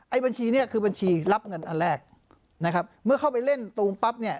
บัญชีเนี่ยคือบัญชีรับเงินอันแรกนะครับเมื่อเข้าไปเล่นตูมปั๊บเนี่ย